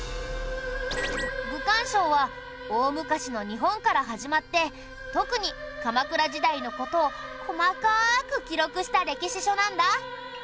『愚管抄』は大昔の日本から始まって特に鎌倉時代の事を細かく記録した歴史書なんだ。